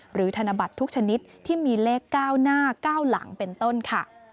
ธนบัตรทุกชนิดที่มีเลข๙หน้า๙หลังเป็นต้นค่ะ